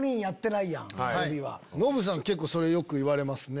ノブさん結構それよく言われますね。